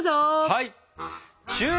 はい！